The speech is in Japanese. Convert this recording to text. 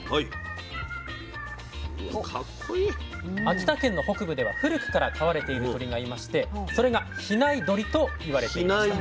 秋田県の北部では古くから飼われている鶏がいましてそれが比内鶏と言われていました。